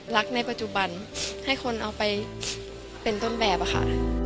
ในปัจจุบันให้คนเอาไปเป็นต้นแบบค่ะ